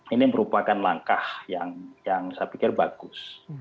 ini merupakan langkah yang saya pikir bagus